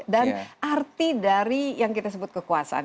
dan arti dari yang kita sebut kekuasaan